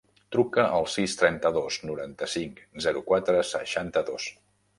Truca al sis, trenta-dos, noranta-cinc, zero, quatre, seixanta-dos.